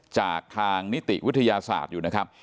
จากทางนิติวิทยาศาสตร์อยู่นะครับ